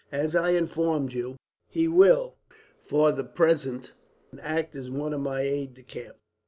As I informed you, he will for the present act as one of my aides de camp."